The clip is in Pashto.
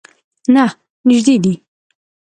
نه، نژدې دی